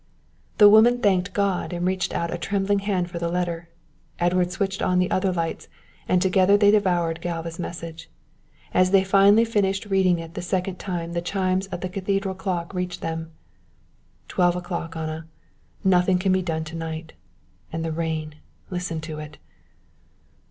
The woman thanked God and reached out a trembling hand for the letter. Edward switched on the other lights, and together they devoured Galva's message. As they finished reading it the second time the chimes of the cathedral clock reached them. "Twelve o'clock, Anna. Nothing can be done to night. And the rain listen to it."